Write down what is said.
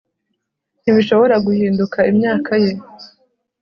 Ntibishobora guhinduka imyaka ye